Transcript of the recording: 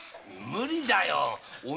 無理だよ！